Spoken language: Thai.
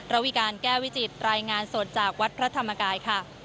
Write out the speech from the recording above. ระวิการแก้วิจิตรายงานสดจากวัดพระธรรมกายค่ะ